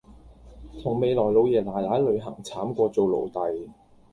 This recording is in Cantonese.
同未來老爺奶奶旅行慘過做奴隸